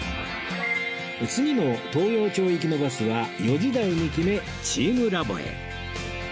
次の東陽町行きのバスは４時台に決めチームラボへ